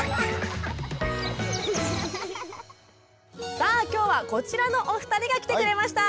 さあ今日はこちらのお二人が来てくれました。